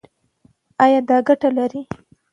ایا دا ګټه لري؟